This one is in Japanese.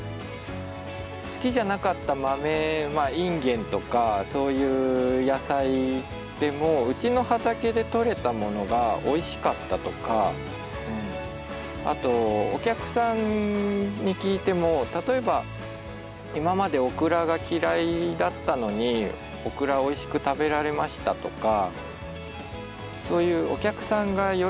好きじゃなかったマメインゲンとかそういう野菜でもうちの畑でとれたものがおいしかったとかあとお客さんに聞いても例えば今までオクラが嫌いだったのにオクラおいしく食べられましたとかそういうお客さんが喜んでくれてるっていうのが分かると